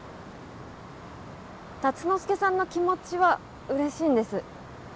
竜之介さんの気持ちはうれしいんです。